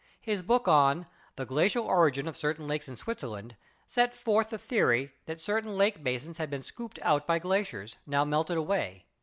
His book on the "Glacial Origin of Certain Lakes in Switzerland" set forth the the ory that certain lake basins had been scooped out by glaciers, now melted away.